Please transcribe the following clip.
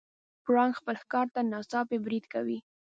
پړانګ خپل ښکار ته ناڅاپي برید کوي.